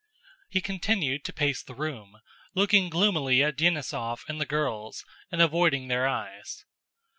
He continued to pace the room, looking gloomily at Denísov and the girls and avoiding their eyes.